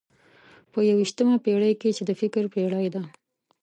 په یوویشتمه پېړۍ کې چې د فکر پېړۍ ده.